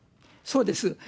そうです。